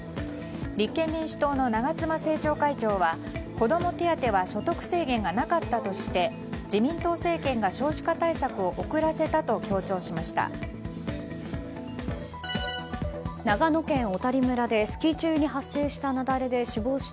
立憲民主党の長妻政調会長は子ども手当は所得制限がなかったとして自民党政権が少子化対策を遅らせたと強調しました。